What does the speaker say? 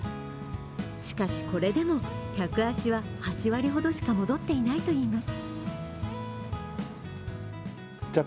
しかし、これでも客足は８割ほどしか戻ってないといいます。